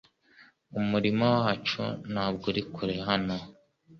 Umurima wacu ntabwo uri kure hano